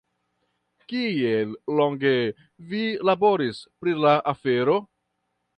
Kiel longe vi laboris pri la afero?